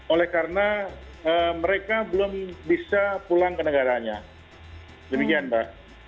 oleh karena mereka belum bisa pulang ke negaranya demikian mbak